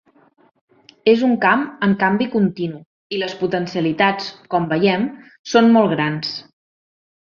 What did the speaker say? És un camp en canvi continu i les potencialitats, com veiem, són molt grans.